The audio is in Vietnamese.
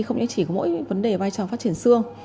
không những chỉ có mỗi vấn đề vai trò phát triển xương